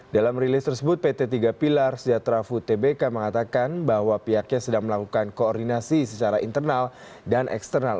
dalam rilis tersebut pt tiga pilar sejahtera food tbk mengatakan bahwa pihaknya sedang melakukan koordinasi secara internal dan eksternal